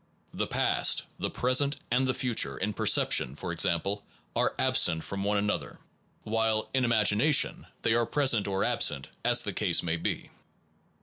The past, the present, and the future in perception, for example, are absent from one another, while in imagination they are present or absent as the case may be.